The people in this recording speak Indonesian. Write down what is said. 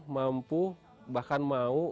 mampu bahkan mau